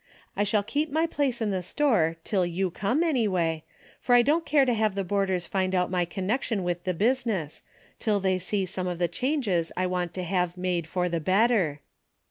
I shall keep my place in the store till you come any way, for I don't care to have the boarders find out my connection with the business, till they see some of the changes I want to have made DAILY BATE." 109 for the better.